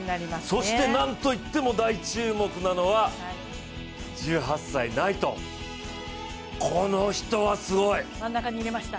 そしてなんといっても大注目なのは１８歳ナイトン、この人はすごい。